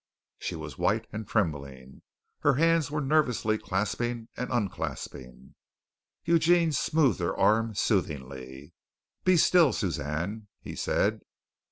She was white and trembling. Her hands were nervously clasping and unclasping. Eugene smoothed her arm soothingly. "Be still, Suzanne," he said.